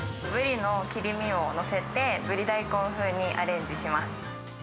ブリの切り身を載せて、ブリ大根風にアレンジします。